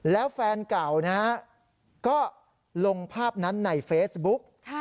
แล้วแฟนเก่านะฮะก็ลงภาพนั้นในเฟซบุ๊ก